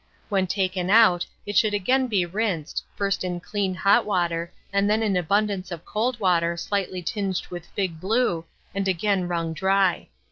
When taken out, it should again be rinsed, first in clean hot water, and then in abundance of cold water slightly tinged with fig blue, and again wrung dry.